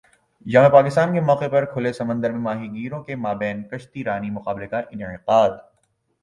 یوم پاکستان کے موقع پر کھلے سمندر میں ماہی گیروں کے مابین کشتی رانی مقابلے کا انعقاد